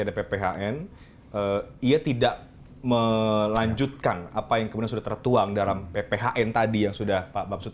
ada pphn ia tidak melanjutkan apa yang kemudian sudah tertuang dalam pphn tadi yang sudah pak bamsud